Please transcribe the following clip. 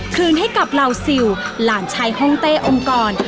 คืนให้กับเหล่าซิลหลานชายห้องเต้อมกร